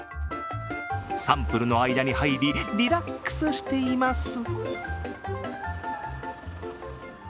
サンプルの間に入りリラックスしています。